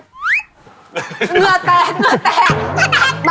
เนื่อแตก